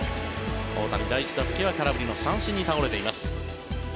大谷、第１打席は空振りの三振に倒れています。